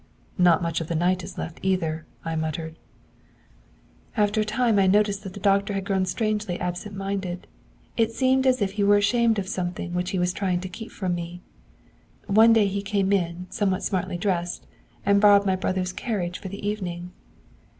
'Not much of the night is left either,' I muttered. 'After a time I noticed that the doctor had grown strangely absent minded, and it seemed as if he were ashamed of something which he was trying to keep from me. One day he came in, somewhat smartly dressed, and borrowed my brother's carriage for the evening.